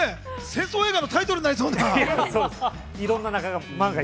戦争映画のタイトルになりそうな。